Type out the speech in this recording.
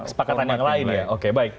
kesepakatan yang lain ya oke baik